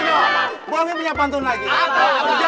jalan ke penang naik gajah